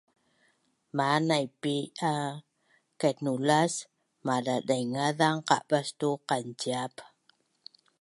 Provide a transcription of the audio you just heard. Maa naipi a kaitnulas maimadadaingaz qabas tu qanciap